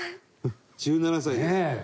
１７歳です。ねえ。